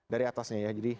dari atasnya ya jadi